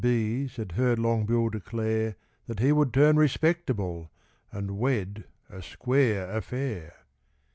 's had heard Long Bill declare That he would turn respectable and wed a 'square affair.